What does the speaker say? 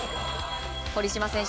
堀島選手